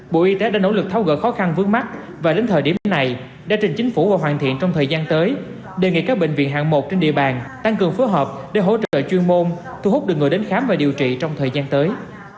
bộ y tế đã nỗ lực tháo gỡ khó khăn vướng mắt và đến thời điểm này đã trình chính phủ và hoàn thiện trong thời gian tới đề nghị các bệnh viện hạng một trên địa bàn tăng cường phối hợp để hỗ trợ chuyên môn thu hút được người đến khám và điều trị trong thời gian tới